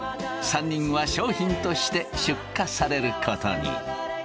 ３人は商品として出荷されることに。